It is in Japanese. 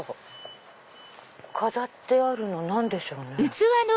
飾ってあるの何でしょうね？